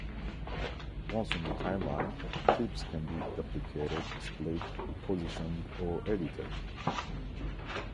Once on the timeline, clips can be duplicated, split, repositioned or edited.